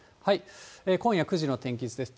今夜９時の天気図です。